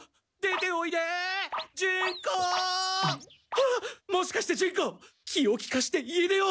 はっもしかしてジュンコ気をきかして家出を？